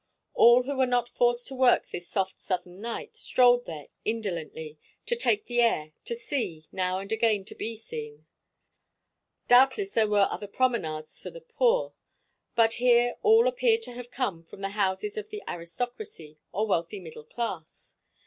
All who were not forced to work this soft southern night strolled there indolently, to take the air, to see, now and again to be seen. Doubtless, there were other promenades for the poor, but here all appeared to have come from the houses of the aristocracy or wealthy middle class.